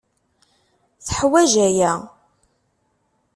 Teḥwaj aya.